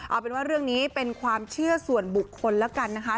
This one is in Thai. เอาเป็นว่าเรื่องนี้เป็นความเชื่อส่วนบุคคลแล้วกันนะคะ